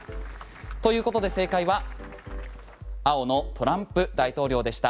ということで正解は青のトランプ大統領でした。